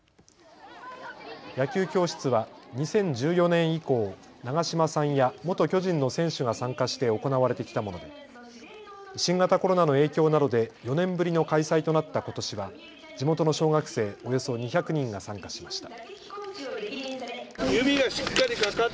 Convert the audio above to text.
野球教室は２０１４年以降、長嶋さんや元巨人の選手が参加して行われてきたもので新型コロナの影響などで４年ぶりの開催となったことしは地元の小学生、およそ２００人が参加しました。